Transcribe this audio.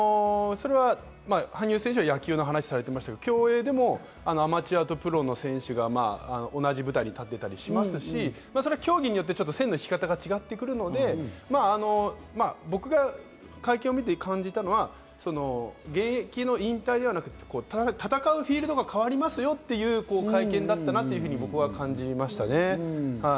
羽生選手は野球の話されていましたけれども、競泳でもアマチュアとプロは同じ舞台で立てたりしますし、競技によって線の引き方が違ったりするので、僕が会見をみて感じたのは現役の引退ではなくて、戦うフィールドが変わりますよという会見だったなと感じましたね。